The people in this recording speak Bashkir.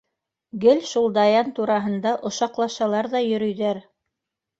Гел шул Даян тураһында ошаҡлашалар ҙа йөрөйҙәр.